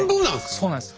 そうなんです。